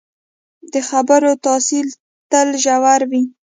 د خبرو تاثیر تل ژور وي